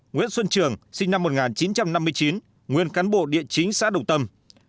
nguyễn xuân trường sinh năm một nghìn chín trăm năm mươi chín nguyên cán bộ địa chính xã đục tâm